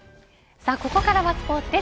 さあここからはスポーツです。